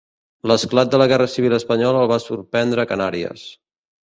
L'esclat de la guerra civil espanyola el va sorprendre a Canàries.